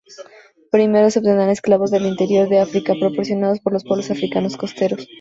Primero, se obtenían esclavos del interior de África, proporcionados por los pueblos africanos costeros.